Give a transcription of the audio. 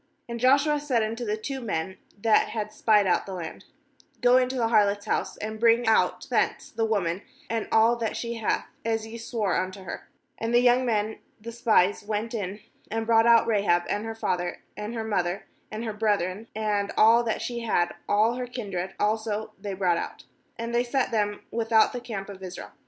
^And Joshua said unto the two men that had spied out the land: 'Go into the harlot's house, and bring out thence the woman, and all that she hath, as ye swore unto her/ ^And the young men the spies went in, and brought out Rahab, and her father, and her mother, and her brethren, and all that she had, all her kindred also they brought out; and they set them without the camp of Israel.